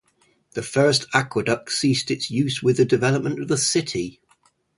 This first aqueduct ceased its use with the development of the city.